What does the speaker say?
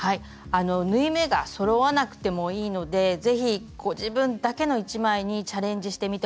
縫い目がそろわなくてもいいので是非自分だけの一枚にチャレンジしてみてほしいです。